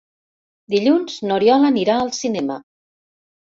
Dilluns n'Oriol anirà al cinema.